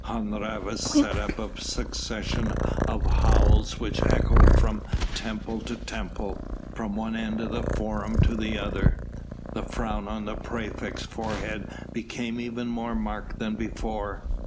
Hun Rhavas set up a succession of howls which echoed from temple to temple, from one end of the Forum to the other. The frown on the praefect's forehead became even more marked than before.